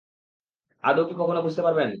আদৌ কি কখনো বুঝতে পারবেন?